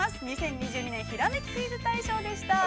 「２０２２年ひらめきクイズ大賞！」でした。